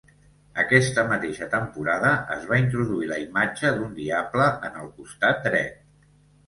Aquesta mateixa temporada es va introduir la imatge d'un diable en el costat dret.